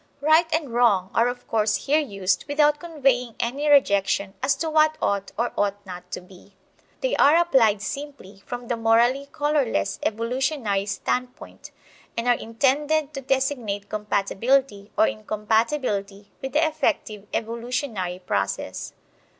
"Right" and "wrong" are of course here used without conveying any rejection as to what ought or ought not to be. They are applied simply from the (morally colorless) evolutionary standpoint, and are intended to designate compatibility or incompatibility with the effective evolutionary process.